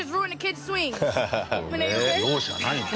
容赦ないね。